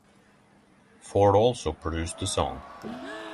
Ford also produced the song.